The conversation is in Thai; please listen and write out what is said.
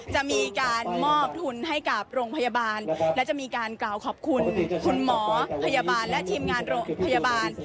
จะมีการมอบทุนให้กับโรงพยาบาลและจะมีการกล่าวขอบคุณคุณหมอพยาบาลและทีมงานโรงพยาบาล